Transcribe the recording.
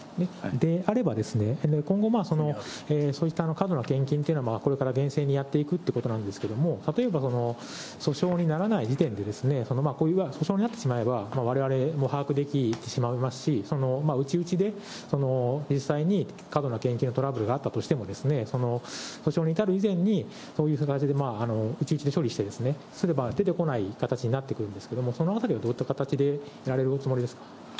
であればですね、今後まあ、そういった過度な献金というのをこれから厳正にやっていくということなんですけれども、例えば訴訟にならない時点で、こういう、訴訟になってしまえば、われわれも把握できてしまいますし、うちうちで実際に過度な献金やトラブルがあったとしても、訴訟に至る以前に、そういうふうな感じでうちうちで処理をして、外に出てこない形になってくるんですけど、そのあたりはどういった形でやられるおつもりですか？